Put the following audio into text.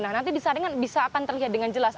nah nanti di saringan bisa akan terlihat dengan jelas